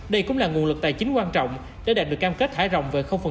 đây cũng là nguồn lực tài chính quan trọng đã đạt được cam kết hải rộng về